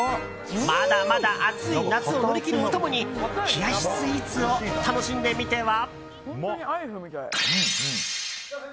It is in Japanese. まだまだ暑い夏を乗り切るお供に冷やしスイーツを楽しんでみては？